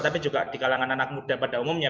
tapi juga di kalangan anak muda pada umumnya